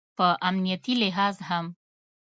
په امنیتي لحاظ هم